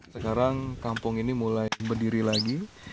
sekarang kampung ini mulai berdiri lagi